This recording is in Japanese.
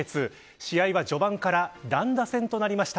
試合は序盤から乱打戦となりました。